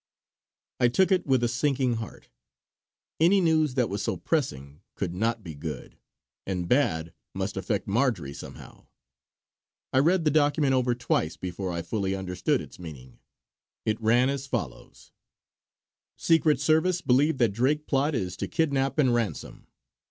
I took it with a sinking heart; any news that was so pressing could not be good, and bad must affect Marjory somehow. I read the document over twice before I fully understood its meaning. It ran as follows: "Secret Service believe that Drake plot is to kidnap and ransom.